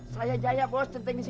saya jaya bos tentang di sini